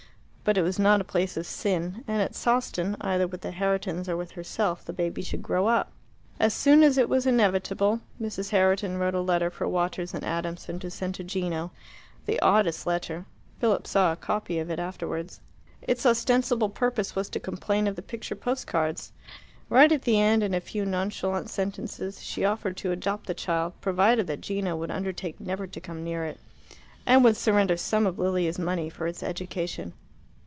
But it was not a place of sin, and at Sawston, either with the Herritons or with herself, the baby should grow up. As soon as it was inevitable, Mrs. Herriton wrote a letter for Waters and Adamson to send to Gino the oddest letter; Philip saw a copy of it afterwards. Its ostensible purpose was to complain of the picture postcards. Right at the end, in a few nonchalant sentences, she offered to adopt the child, provided that Gino would undertake never to come near it, and would surrender some of Lilia's money for its education.